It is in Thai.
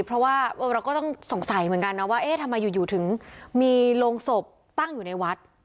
เพราะว่าเราก็ต้องสงสัยเหมือนกันนะว่าเอ๊ะทำไมอยู่ถึงมีโรงศพตั้งอยู่ในวัด